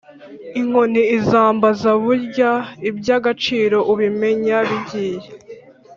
inkoni izambaza burya iby’agaciro ubimenya bigiye